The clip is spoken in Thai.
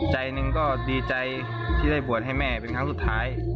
ใจหนึ่งก็ดีใจที่ได้บวชให้แม่เป็นครั้งสุดท้าย